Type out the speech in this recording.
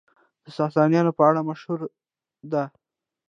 د ساسانيانو په اړه مشهوره ده،